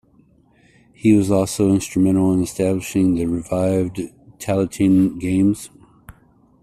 He was also instrumental in establishing the 'revived' Tailteann Games.